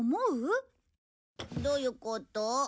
どういうこと？